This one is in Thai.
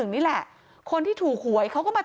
ความปลอดภัยของนายอภิรักษ์และครอบครัวด้วยซ้ำ